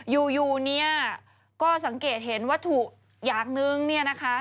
อยู่เนี่ยก็สังเกตเห็นวัตถุอย่างนึงเนี่ยนะคะ